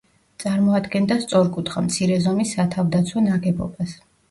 წარმოადგენდა სწორკუთხა, მცირე ზომის სათავდაცვო ნაგებობას.